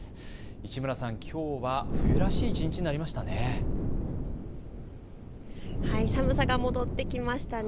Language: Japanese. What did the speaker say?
市村さん、きょうは冬らしい一日になりましたね。